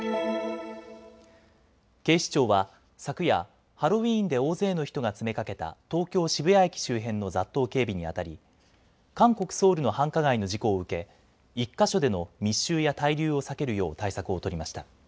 警視庁は昨夜、ハロウィーンで大勢の人が詰めかけた東京渋谷駅周辺の雑踏警備にあたり韓国・ソウルの繁華街の事故を受け、１か所での密集や滞留を避けるよう対策を取りました。